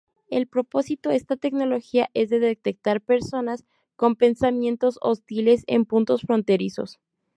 El propósito esta tecnología es de detectar personas con "pensamientos hostiles" en puntos fronterizos.